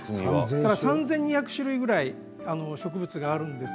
３２００種類ぐらい植物があるんです。